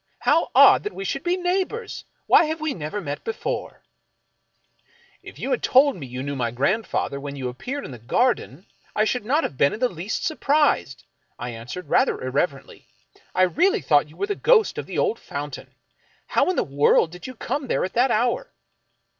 How odd that we should be neighbors ! Why have we never met before ?"" If you had told me you knew my grandfather when you appeared in the garden, I should not have been in the least surprised," I answered rather irrelevantly. " I really thought you were the ghost of the old fountain. How in the world did you come there at that hour